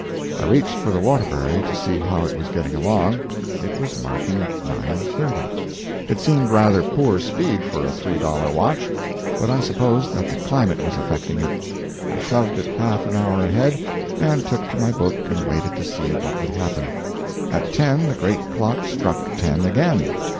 I reached for the Waterbury to see how it was getting along. It was marking 9.30. It seemed rather poor speed for a three dollar watch, but I supposed that the climate was affecting it. I shoved it half an hour ahead; and took to my book and waited to see what would happen. At 10 the great clock struck ten again.